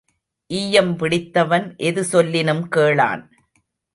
ஈயம் பிடித்தவன் எது சொல்லினும் கேளான்.